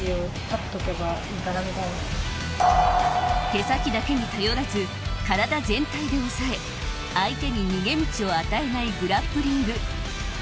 手先だけに頼らず体全体で押さえ相手に逃げ道を与えないグラップリング。